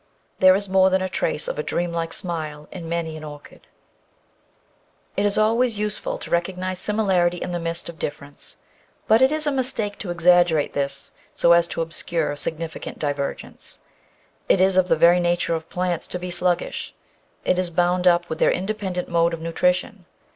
There is more than a trace of a dream smile in many an orchid. 616 The Outline of Science It is always useful to recognise similarity in the midst of difference, but it is a mistake to exaggerate this so as to obscure significant divergence. It is of the very nature of plants to be sluggish. It is bound up with their independent mode of nutri tion.